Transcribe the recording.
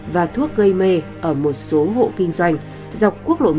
và thuốc gây mê ở một số hộ kinh doanh dọc quốc lộ một